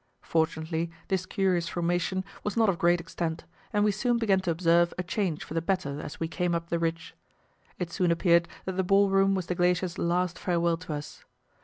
Fortunately this curious formation was not of great extent, and we soon began to observe a change for the better as we came up the ridge. It soon appeared that the Ballroom was the glacier's last farewell to us.